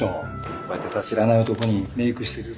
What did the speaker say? こうやってさ知らない男にメークしてるところ見られるの。